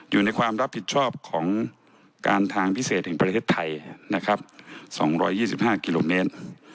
อยู่ในความรับผิดชอบของการทางพิเศษแห่งประเทศไทยนะครับสองร้อยยี่สิบห้ากิโลเมตร